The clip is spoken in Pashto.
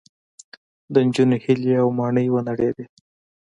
د نجونو هیلې او ماڼۍ ونړېدې